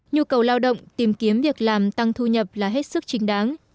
nhu cầu lao động tìm kiếm việc làm tăng thu nhập là hết sức chính đáng